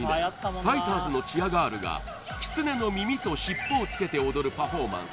ファイターズのチアガールがきつねの耳と尻尾をつけて踊るパフォーマンス